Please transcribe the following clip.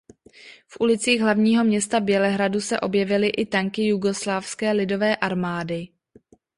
V ulicích hlavního města Bělehradu se objevily i tanky Jugoslávské lidové armády.